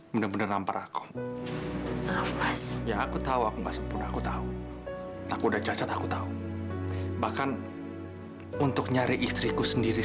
bener bener ampun aku ya aku tahu aku tahu aku tahu bahkan untuk nyari istriku sendiri